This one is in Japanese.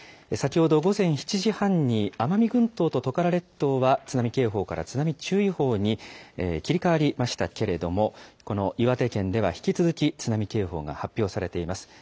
先ほど午前７時半に奄美群島とトカラ列島は津波警報から津波注意報に切り替わりましたけれども、この岩手県では引き続き津波警報が発表されています。